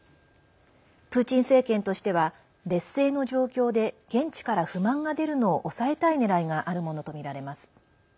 プーチン政権としては劣勢の状況で現地から不満が出るのを抑えたいねらいがあるものとみられます。